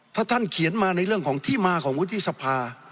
ถ้าท่านเขียนมาในเรื่องของที่มาของวุฒิสภา